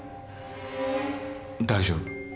大丈夫。